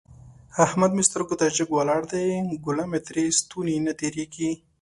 احمد مې سترګو ته جګ ولاړ دی؛ ګوله مې تر ستوني نه تېرېږي.